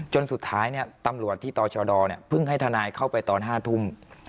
จนสุดท้ายเนี่ยตำรวจที่ตชดเนี่ยเพิ่งให้ทนายเข้าไปตอน๕ทุ่ม